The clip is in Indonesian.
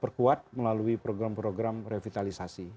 perkuat melalui program program revitalisasi